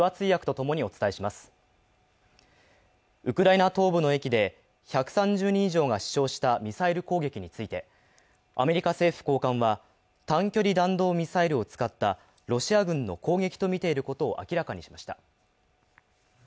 ウクライナ東部の駅で１３０人以上が死傷したミサイル攻撃について、アメリカ政府高官は、短距離弾道ミサイルを使ったロシア軍の攻撃とみていることを明らかにしました。